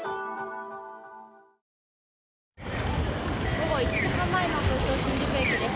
午後１時半前の東京・新宿駅です。